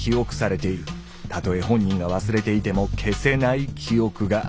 たとえ本人が忘れていても消せない記憶が。